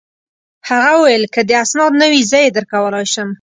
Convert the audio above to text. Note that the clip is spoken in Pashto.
هغه وویل: که دي اسناد نه وي، زه يې درکولای شم.